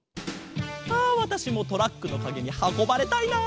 あわたしもトラックのかげにはこばれたいな。